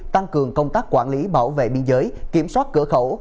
tăng cường công tác quản lý bảo vệ biên giới kiểm soát cửa khẩu